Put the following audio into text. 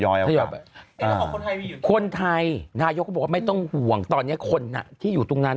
คนไทยคนไทยนายกก็บอกว่าไม่ต้องห่วงตอนนี้คนที่อยู่ตรงนั้น